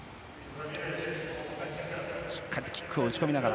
しっかりとキックを打ち込みながら。